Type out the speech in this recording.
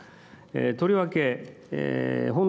とりわけ、本年